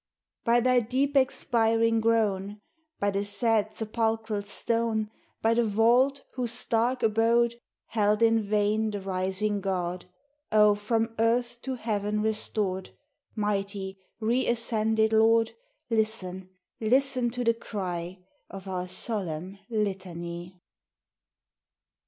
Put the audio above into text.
By Thy deep expiring groan; By the sad sepulchral stone; By the vault whose dark abode Held in vain the rising God; O, from earth to heaven restored, Mighty, reascended Lord, Listen, listen to the cry Of our solemn litany!